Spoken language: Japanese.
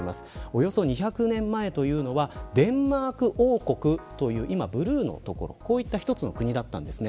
およそ２００年前はデンマーク王国というブルーの所の、一つの国でした。